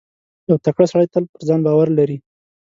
• یو تکړه سړی تل پر ځان باور لري.